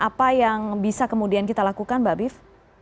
apa yang bisa kemudian kita lakukan mbak bif